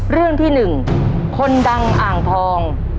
เรื่องที่๑คนดังอ่างทอง